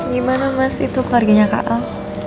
gimana masih tuh keluarganya kak al